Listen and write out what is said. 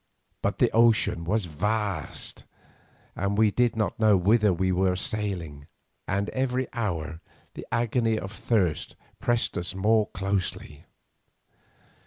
But the ocean was vast, and we did not know whither we were sailing, and every hour the agony of thirst pressed us more closely.